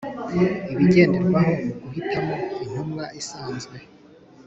Ibigenderwaho mu guhitamo intumwa isanzwe